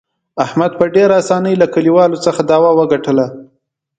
احمد په ډېر اسانۍ له کلیوالو څخه دعوه وګټله.